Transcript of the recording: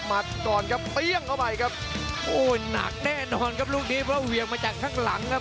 ก่อนครับเปรี้ยงเข้าไปครับโอ้ยหนักแน่นอนครับลูกนี้เพราะเหวี่ยงมาจากข้างหลังครับ